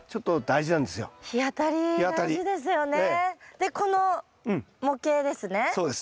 でこの模型ですね？